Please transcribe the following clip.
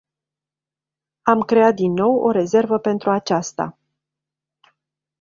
Am creat din nou o rezervă pentru aceasta.